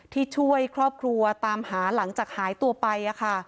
ช่วยครอบครัวตามหาหลังจากหายตัวไป